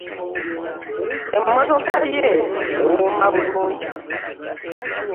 Emotoka ye ewuuma bulungi.